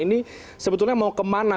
ini sebetulnya mau kemana